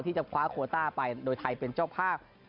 ที่จะคว้าโคต้าไปโดยไทยเป็นเจ้าภาพ